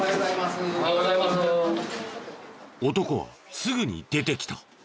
男はすぐに出てきた。